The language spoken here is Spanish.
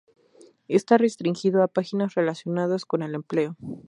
Está restringido a páginas relacionadas con el empleo.